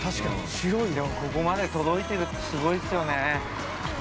ここまで届いてるってすごいっすよね。